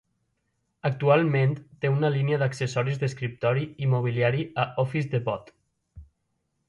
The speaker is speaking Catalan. Actualment té una línia d'accessoris d'escriptori i mobiliari a Office Depot.